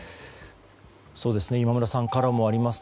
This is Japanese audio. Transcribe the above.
今村さんからもあります